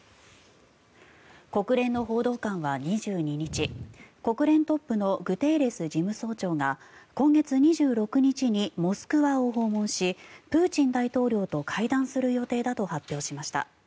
国連の報道官は２２日国連トップのグテーレス事務総長が今月２６日にモスクワを訪問しプーチン大統領と会談する予定だと発表しました。